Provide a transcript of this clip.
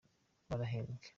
barahembwe.